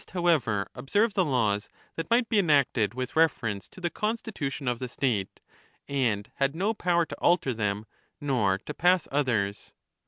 however, observe the laws that might be enacted with reference to the constitution of the state, and had no power to alter them nor to pass others.